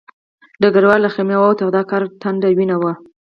ډګروال له خیمې ووت او د کارګر ټنډه وینه وه